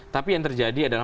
tapi yang terjadi adalah